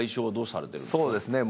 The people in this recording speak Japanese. そうですね